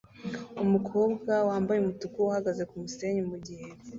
Umukobwa wambaye umutuku uhagaze kumusenyi mugihe